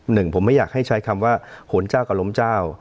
หนึ่งผมไม่อยากให้ใช้คำว่าโหนเจ้ากับล้มเจ้า